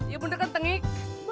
ya bener kan tengik